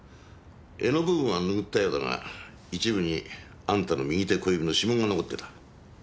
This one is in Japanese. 柄の部分はぬぐったようだが一部にあんたの右手小指の指紋が残ってた。